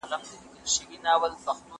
زه مځکي ته کتلې دي!؟